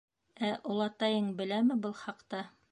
Ә олатайың... беләме был хаҡта?